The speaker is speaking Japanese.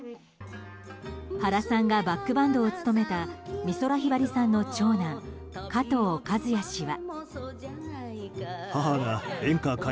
原さんがバックバンドを務めた美空ひばりさんの長男加藤和也氏は。